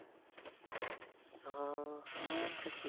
ああー懐かしい。